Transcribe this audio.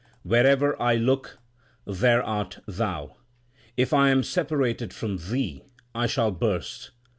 Wherever I look, there art Thou ; if I am separated from Thee, I shall burst.